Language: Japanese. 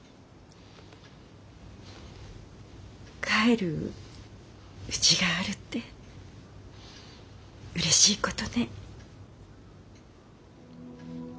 帰るうちがあるってうれしい事ね。